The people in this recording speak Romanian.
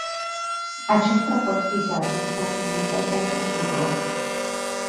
Acest raport vizează să faciliteze acest lucru.